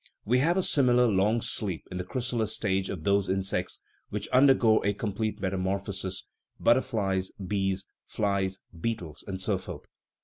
We have a similar long sleep in the chrysalis stage of those insects which undergo a complete metamorphosis butterflies, bees, flies, beetles, and so forth.